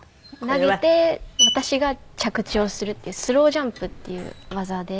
投げて私が着地をするっていうスロージャンプっていう技で。